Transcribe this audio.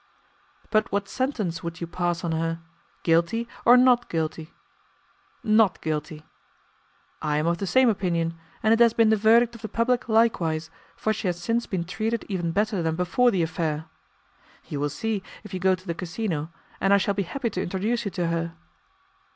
"But what sentence would you pass on her. Guilty or not guilty?" "Not guilty." "I am of the same opinion, and it has been the verdict of the public likewise, for she has since been treated even better than before the affair. You will see, if you go to the casino, and I shall be happy to introduce you to her."